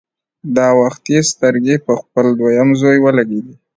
دا وخت يې سترګې په خپل دويم زوی ولګېدې.